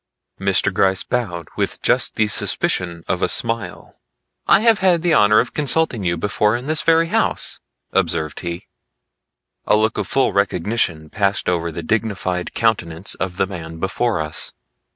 Mr. Gryce bowed with just the suspicion of a smile. "I have had the honor of consulting you before in this very house," observed he. A look of full recognition passed over the dignified countenance of the man before us.